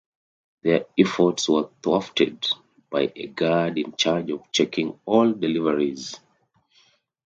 Their efforts were thwarted by a guard in charge of checking all deliveries.